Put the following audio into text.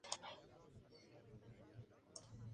serán las cabezas de turco